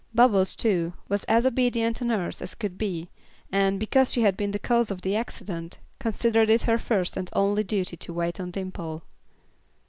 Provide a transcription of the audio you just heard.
Bubbles, too, was as obedient a nurse as could be, and, because she had been the cause of the accident, considered it her first and only duty to wait on Dimple.